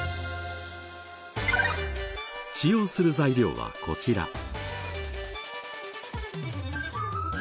使用する材料はこちら。